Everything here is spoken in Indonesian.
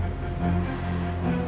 pak haris pak haris